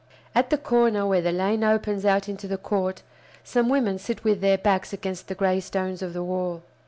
At the corner where the lane opens out into the court, some women sit with their backs against the gray stones of the wall.